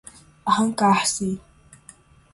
Arrancar-se